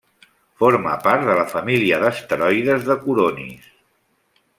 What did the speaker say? Forma part de la família d'asteroides de Coronis.